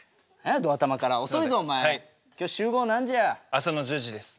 朝の１０時です。